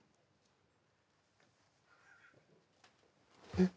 えっ？